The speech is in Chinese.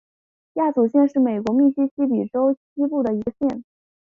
亚祖县是美国密西西比州西部的一个县。